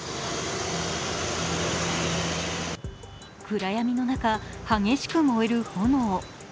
暗闇の中、激しく燃える炎。